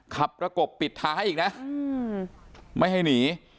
ประกบปิดท้ายอีกนะไม่ให้หนี